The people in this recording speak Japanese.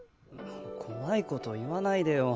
怖い事言わないでよ。